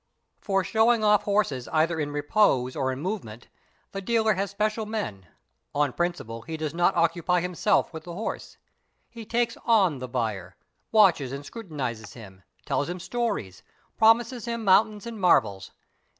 For showing off horses either in repose or in movement the dealer has special men; on principle he does not occupy himself with the horse; he "takes on" the buyer, watches and scrutinises him, tells him stories, — promises him mountains and marvels.